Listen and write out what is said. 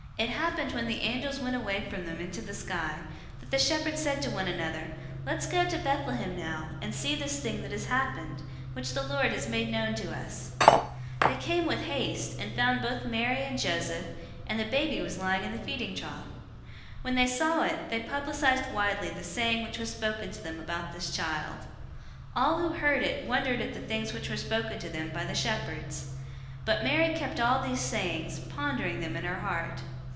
002:015 It happened, when the angels went away from them into the sky, that the shepherds said one to another, "Let's go to Bethlehem, now, and see this thing that has happened, which the Lord has made known to us." 002:016 They came with haste, and found both Mary and Joseph, and the baby was lying in the feeding trough. 002:017 When they saw it, they publicized widely the saying which was spoken to them about this child. 002:018 All who heard it wondered at the things which were spoken to them by the shepherds. 002:019 But Mary kept all these sayings, pondering them in her heart.